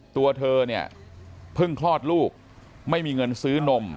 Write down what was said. ตัวเธอเนี่ยเพิ่งคลอดลูกไม่มีเงินซื้อนม